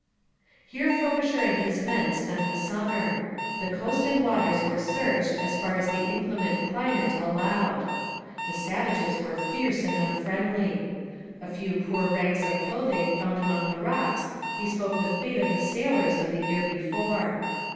Here Frobisher and his men spent the summer. The coast and waters were searched as far as the inclement climate allowed. The savages were fierce and unfriendly. A few poor rags of clothing found among the rocks bespoke the fate of the sailors of the year before.